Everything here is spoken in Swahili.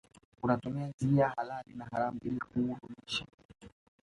Unatumia njia halali na haramu ili kuudumisha